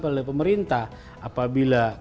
oleh pemerintah apabila